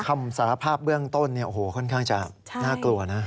คำสารภาพเบื้องต้นเนี่ยโอ้โหค่อนข้างจะน่ากลัวนะ